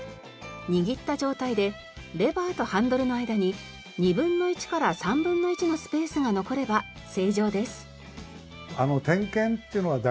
握った状態でレバーとハンドルの間に２分の１から３分の１のスペースが残れば正常です。